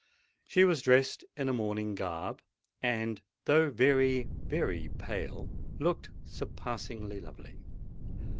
She was dressed in a morning garb, and, though very—very pale, looked surpassingly lovely.